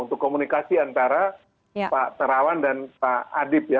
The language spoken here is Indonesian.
untuk komunikasi antara pak terawan dan pak adib ya